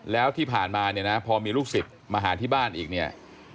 แล้วที่ผ่านมาเนี่ยนะพอมีลูกศิษย์มาหาที่บ้านอีกเนี่ย